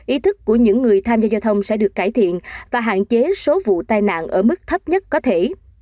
ý thức của những người tham gia giao thông sẽ được cải thiện và hạn chế số vụ tai nạn ở mức thấp nhất có thể